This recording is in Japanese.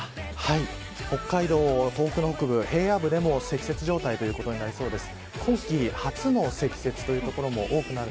北海道、東北の北部、平野部でも積雪状態ということになりそうです。